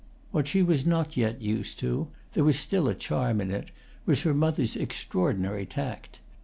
What she was not yet used to—there was still a charm in it—was her mother's extraordinary tact.